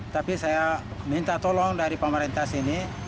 tapi saya minta tolong dari pemerintah sini